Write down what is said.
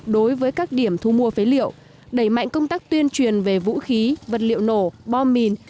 đối với các điểm thu mua phế liệu đẩy mạnh công tác tuyên truyền về vũ khí vật liệu nổ bom mìn